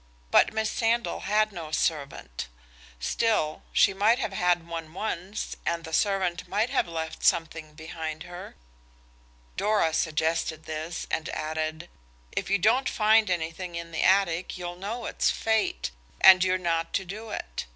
But Miss Sandal had no servant. Still, she might have had one once, and the servant might have left something behind her. Dora suggested this and added– "If you don't find anything in the attic you'll know it's Fate, and you're not to do it.